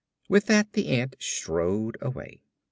With that the ant strode away.